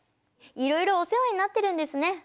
いろいろお世話になってるんですね！